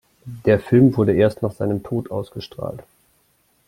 Der Film wurde erst nach seinem Tod ausgestrahlt.